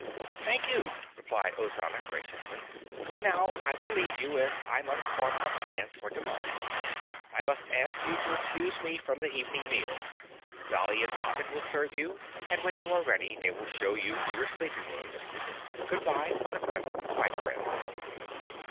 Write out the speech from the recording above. "Thank you," replied Ozana graciously. "And now I will leave you, as I must form our plans for tomorrow. I must ask you to excuse me from the evening meal. Dolly and Poppet will serve you, and when you are ready they will show you to your sleeping rooms. Good bye, for the present, my friends."